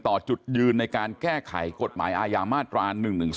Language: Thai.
จุดยืนในการแก้ไขกฎหมายอาญามาตรา๑๑๒